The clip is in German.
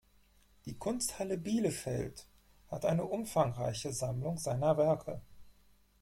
Die Kunsthalle Bielefeld hat eine umfangreiche Sammlung seiner Werke.